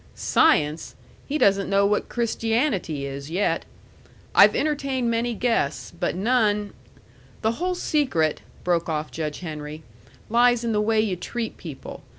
"Science! He doesn't know what Christianity is yet. I've entertained many guests, but none The whole secret," broke off Judge Henry, "lies in the way you treat people.